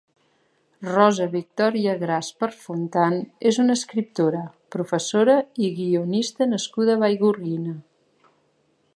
Rosa Victòria Gras Perfontan és una escriptora, professora i guionista nascuda a Vallgorguina.